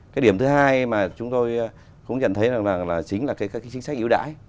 cái điểm thứ hai mà chúng tôi cũng nhận thấy là chính là cái chính sách yếu đải